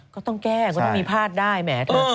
ก็ต้องแก้ก็ต้องมีพลาดได้แหมเธอ